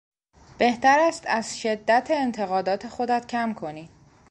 بهتر است از شدت انتقادات خودت کم کنی.